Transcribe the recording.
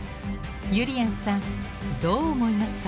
ゆりやんさんどう思いますか？